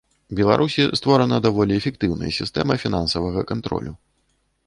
Беларусі створана даволі эфектыўная сістэма фінансавага кантролю.